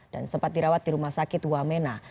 dan sempat dirawat di rumah sakit wamena